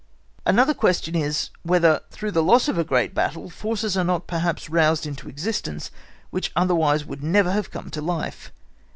Another question is, whether, through the loss of a great battle, forces are not perhaps roused into existence, which otherwise would never have come to life.